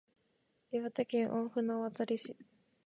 岩手県大船渡市